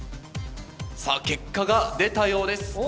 さぁ結果が出たようです